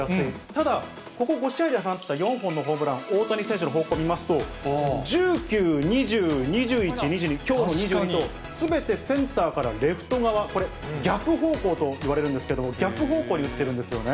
ただ、ここ５試合で放った４本のホームラン、大谷選手の方向見ますと、１９、２０、２１、２２、きょうの２２とすべてセンターからレフト側、これ、逆方向といわれるんですけれども、逆方向に打ってるんですよね。